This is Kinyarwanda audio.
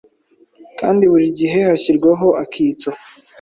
kandi buri gihe hashyirwaho akitso.